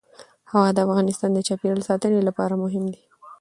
هوا د افغانستان د چاپیریال ساتنې لپاره مهم دي.